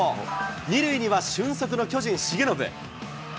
２塁には俊足の巨人、重信。